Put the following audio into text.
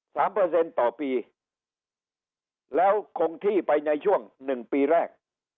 เปอร์เซ็นต์ต่อปีแล้วคงที่ไปในช่วงหนึ่งปีแรก